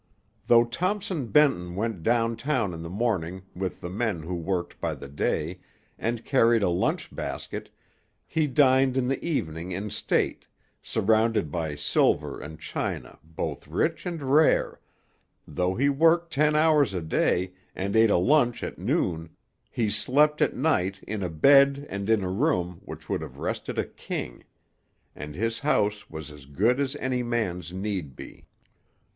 Though Thompson Benton went down town in the morning with the men who worked by the day, and carried a lunch basket, he dined in the evening in state, surrounded by silver and china both rich and rare; though he worked ten hours a day, and ate a lunch at noon, he slept at night in a bed and in a room which would have rested a king; and his house was as good as any man's need be.